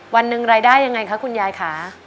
วันหนึ่งรายได้ยังไงคะคุณยายค่ะ